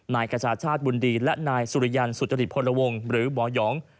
นายกัชชาชาชบุลดีและนายสุรญญาณสุจริพลวงหรือหมอยอง